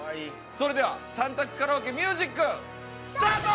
それでは３択カラオケミュージック。スタート！